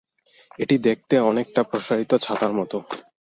এটি দেখতে অনেকটা প্রসারিত ছাতার মতো।